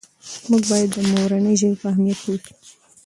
موږ باید د مورنۍ ژبې په اهمیت پوه سو.